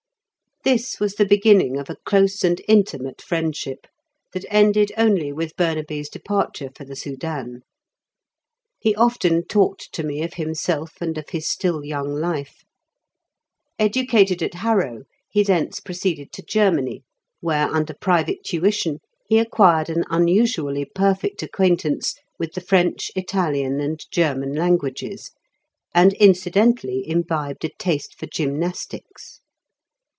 This was the beginning of a close and intimate friendship, that ended only with Burnaby's departure for the Soudan. He often talked to me of himself and of his still young life. Educated at Harrow, he thence proceeded to Germany, where, under private tuition, he acquired an unusually perfect acquaintance with the French, Italian, and German languages, and incidentally imbibed a taste for gymnastics.